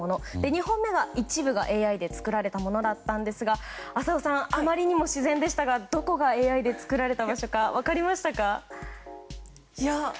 ２本目は一部がＡＩで作られたものでしたが浅尾さん、あまりに自然でしたがどこがＡＩで作られたものか分かりましたか？